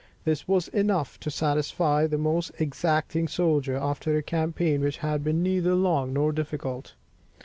This was enough to satisfy the most exacting soldier, after a campaign which had been neither long nor difficult.